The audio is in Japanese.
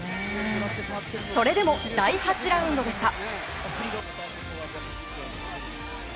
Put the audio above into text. それでも第８ラウンドでした。